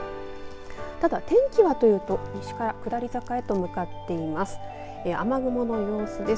ただ天気はというと西から下り坂へと向かっています。